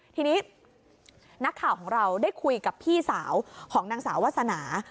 ทีนี้นักข่าวของเราได้คุยกับพี่สาวของนางสาววาสนา